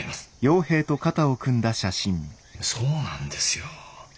そうなんですよ。